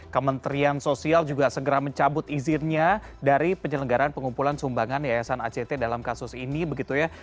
kementerian sosial juga segera mencabut izinnya dari penyelenggaran pengumpulan sumbangan yayasan act dalam kasus ini begitu ya